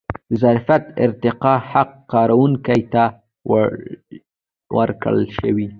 د ظرفیت ارتقا حق کارکوونکي ته ورکړل شوی.